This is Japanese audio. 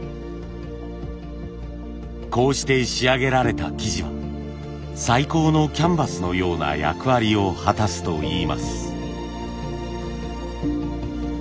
こうして仕上げられた素地は最高のキャンバスのような役割を果たすといいます。